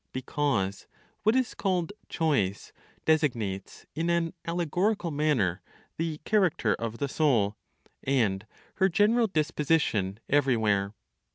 Because what is called "choice" designates in an allegorical manner the character of the soul, and her general disposition everywhere.